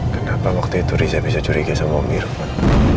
kenapa waktu itu riza bisa curiga sama om irfan